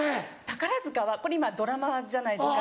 宝塚はこれ今ドラマじゃないですか。